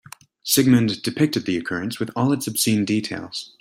Sigmund depicted the occurrence with all its obscene details.